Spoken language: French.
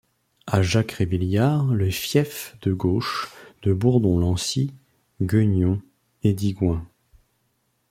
A Jacques Rebillard les fiefs de gauche de Bourbon-Lancy, Gueugnon et Digoin.